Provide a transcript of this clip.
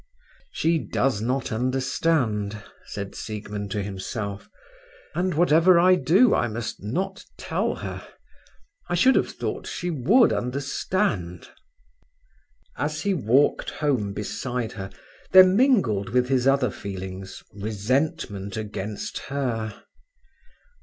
"She does not understand," said Siegmund to himself. "And whatever I do I must not tell her. I should have thought she would understand." As he walked home beside her there mingled with his other feelings resentment against her.